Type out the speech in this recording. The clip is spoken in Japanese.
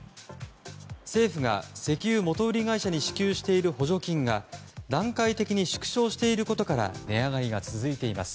政府が石油元売り会社に支給している補助金が段階的に縮小していることから値上がりが続いています。